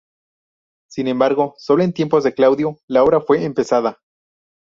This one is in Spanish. Sin embargo, solo en tiempos de Claudio la obra fue empezada.